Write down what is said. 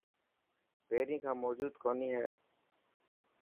پهرين کان موجود ڪونهي هي؟